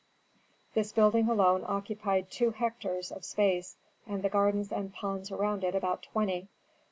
This building alone occupied two hectares of space, and the gardens and ponds around it about twenty.